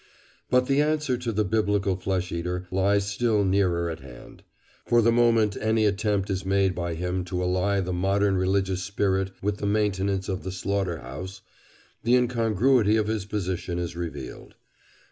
But the answer to the biblical flesh eater lies still nearer at hand. For the moment any attempt is made by him to ally the modern religious spirit with the maintenance of the slaughter house, the incongruity of his position is revealed.